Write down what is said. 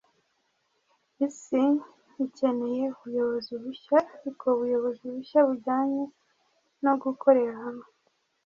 isi ikeneye ubuyobozi bushya, ariko ubuyobozi bushya bujyanye no gukorera hamwe